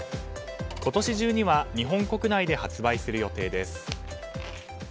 今年中には日本国内で発売する予定です。